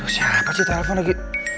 siapa sih telepon lagi